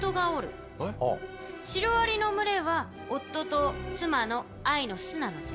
シロアリの群れは夫と妻の愛の巣なのじゃ。